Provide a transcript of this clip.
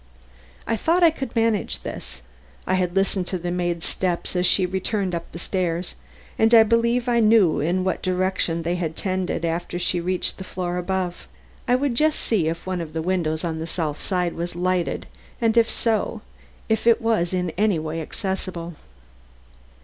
I thought I could manage this. I had listened to the maid's steps as she returned up stairs, and I believed I knew in what direction they had tended after she reached the floor above. I would just see if one of the windows on the south side was lighted, and, if so, if it was in any way accessible.